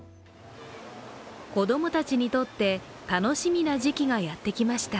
子供たちにとって楽しみな時期がやってきました。